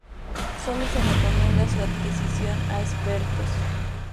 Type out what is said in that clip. Sólo se recomienda su adquisición a expertos.